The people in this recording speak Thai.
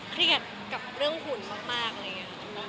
เครียดกับเรื่องหุ่นมากอะไรอย่างนี้